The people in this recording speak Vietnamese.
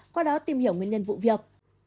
qua đó tìm hiểu nguyên nhân vụ việc